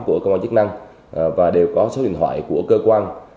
của công an chức năng và đều có số điện thoại của cơ quan